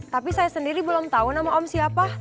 tapi saya sendiri belum tahu nama om siapa